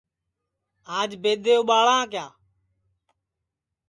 آج بئد اُٻاݪاں کیا